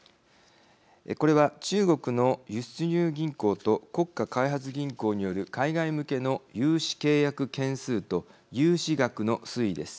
これは中国の輸出入銀行と国家開発銀行による海外向けの融資契約件数と融資額の推移です。